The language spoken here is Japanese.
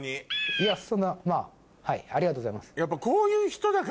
いやそんなまぁはいありがとうございます。